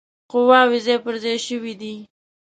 قواوي ځای پر ځای شوي دي.